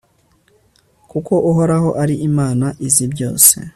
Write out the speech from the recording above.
kuko uhoraho ari imana izi byose